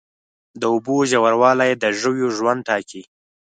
د اوبو ژوروالی د ژویو ژوند ټاکي.